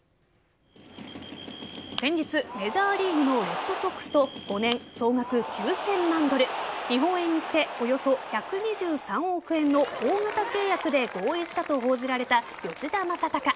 先日、メジャーリーグのレッドソックスと５年総額９０００万ドル日本円にしておよそ１２３億円の大型契約で合意したと報じられた吉田正尚。